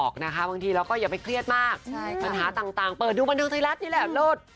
แค่นี้เราก็สงบสุขแล้ว